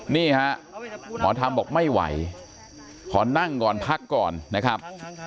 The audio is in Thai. นี่ฮะหมอธรรมบอกไม่ไหวขอนั่งก่อนพักก่อนนะครับ